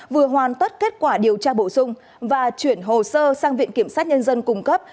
vừa hoàn tất kết quả điều tra bổ sung và chuyển hồ sơ sang viện kiểm sát nhân dân cung cấp